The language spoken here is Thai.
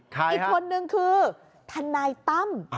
ใครครับอีกคนนึงคือท่านนายต้ำ